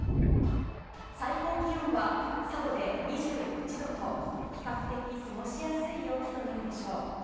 最高気温は佐渡で２１度と比較的過ごしやすい陽気となるでしょう。